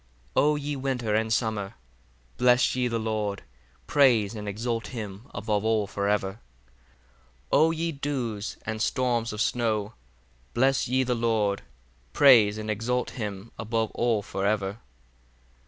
45 O ye winter and summer, bless ye the Lord: praise and exalt him above all for ever. 46 O ye dews and storms of snow, bless ye the Lord: praise and exalt him above all for ever.